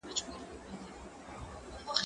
زه له سهاره لیکل کوم!؟